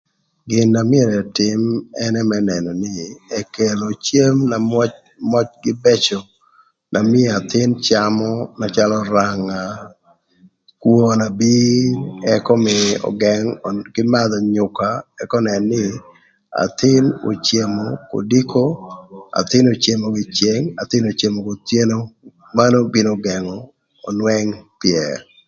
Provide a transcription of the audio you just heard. Gin na myero ëtïm ënë më nënö nï ekelo cem na möc möcgï bëcö na mïö athïn camö na calö öranga kwon abir ëk ömïï ögëng kï madhö nyüka ëk ënën nï athïn ocemo kodiko, athin ocemo kiceng ëka athin ocemo kothyeno manön bino gëngö önwëng pyër.